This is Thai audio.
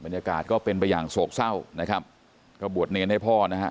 บรรยากาศก็เป็นไปอย่างโศกเศร้านะครับก็บวชเนียนให้พ่อนะครับ